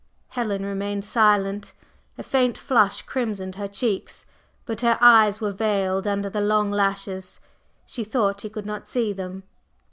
Helen remained silent. A faint flush crimsoned her cheeks, but her eyes were veiled under the long lashes she thought he could not see them.